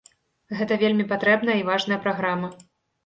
Гэта вельмі патрэбная і важная праграма.